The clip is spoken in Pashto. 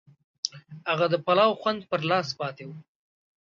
هغه د پلاو خوند پر لاس پاتې و.